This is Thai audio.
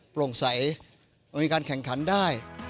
โปร่งใสมันมีการแข่งขันได้